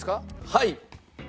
はい。